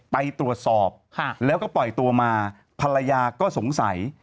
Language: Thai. ไปตรวจสอบแล้วก็ปล่อยตัวมาภรรยาก็สงสัย